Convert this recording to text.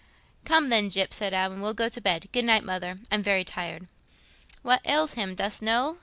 "Come, then, Gyp," said Adam, "we'll go to bed. Good night, Mother; I'm very tired." "What ails him, dost know?"